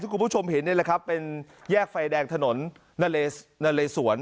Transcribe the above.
คุณผู้ชมเห็นนี่แหละครับเป็นแยกไฟแดงถนนนาเลสวน